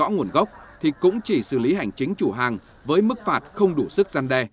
rõ nguồn gốc thì cũng chỉ xử lý hành chính chủ hàng với mức phạt không đủ sức gian đe